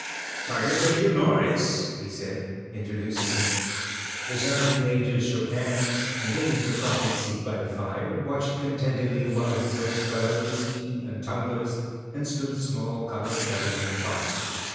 "Sergeant Major Morris," he said, introducing him. The sergeant major shook hands, and taking the proffered seat by the fire, watched contentedly while his host got out whiskey and tumblers and stood a small copper kettle on the fire.